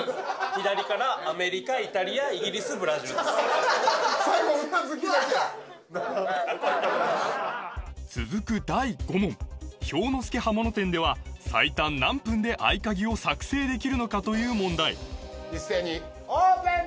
左からアメリカイタリアイギリスブラジル続く第５問兵之助刃物店では最短何分で合鍵を作成できるのかという問題一斉にオープン！